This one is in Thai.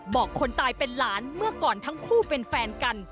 บอกคนตายเป็นหลานเมื่อก่อนทั้งคู่เป็นแฟนกัน